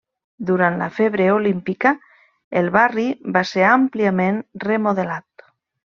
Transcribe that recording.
Durant la febre olímpica el barri va ser àmpliament remodelat.